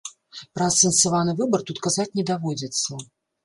Пра асэнсаваны выбар тут казаць не даводзіцца.